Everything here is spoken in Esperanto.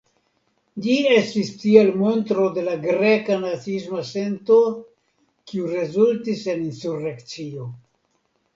Ĝi estis tiel montro de la greka naciisma sento kiu rezultis en insurekcio.